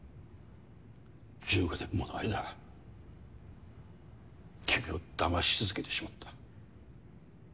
１５年もの間君を騙し続けてしまった。